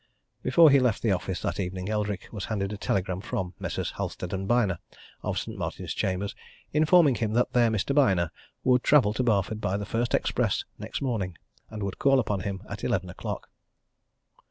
Before he left the office that evening Eldrick was handed a telegram from Messrs. Halstead & Byner, of St. Martin's Chambers, informing him that their Mr. Byner would travel to Barford by the first express next morning, and would call upon him at eleven o'clock.